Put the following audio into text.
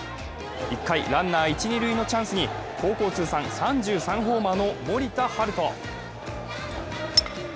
１回・ランナー一・二塁のチャンスに高校通算３３ホーマーの森田大翔。